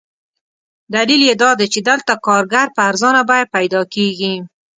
دلیل یې دادی چې دلته کارګر په ارزانه بیه پیدا کېږي.